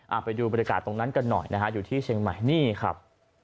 เอาไปดูบรรยากาศตรงนั้นกันหน่อยนะฮะอยู่ที่เชียงใหม่นี่ครับ